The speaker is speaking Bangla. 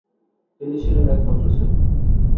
তিনি ছিলেন একমাত্র ছেলে।